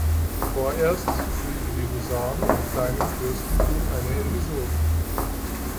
Vorerst blieben die Husaren im kleinen Fürstentum eine Episode.